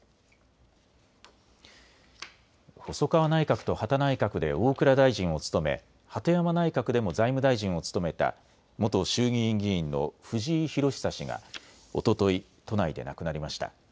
細川内閣と羽田内閣で大蔵大臣を務め、鳩山内閣でも財務大臣を務めた元衆議院議員の藤井裕久氏がおととい都内で亡くなりました。